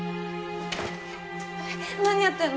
えっ何やってんの！？